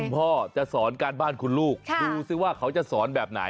พ่อจะสอนการบ้านคุณลูกดูซิว่าเขาจะสอนแบบไหน